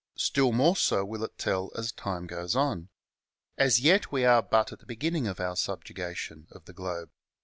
Still more so will it tell as time goes on. As yet we are but at the beginning of our subjugation of the globe.